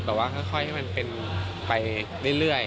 แต่ว่าค่อยให้มันเป็นไปเรื่อย